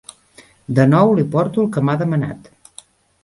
De nou li porto el que m'ha demanat.